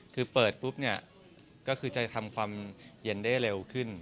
คือเปิดปุ๊บเนี่ยก็คือจะทำความเย็นได้เร็วขึ้น